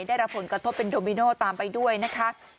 ได้รับผลกระทบเป็นโดมิโนตามไปด้วยนะคะ